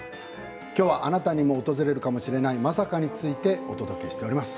今日はあなたにも訪れるかもしれないまさかについてお届けしております。